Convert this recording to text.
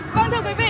vâng thưa quý vị